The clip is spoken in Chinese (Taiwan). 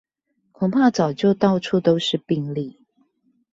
恐怕早就到處都是病例